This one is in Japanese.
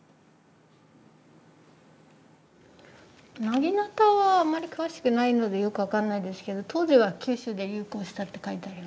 なぎなたはあんまり詳しくないのでよく分かんないですけど当時は九州で流行したって書いてありますね。